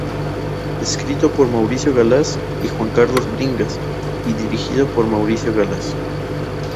Escrito por Mauricio Galaz y Juan Carlos Bringas y dirigido por Mauricio Galaz.